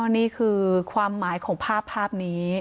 นี่คือความหมายของภาพภาพนี้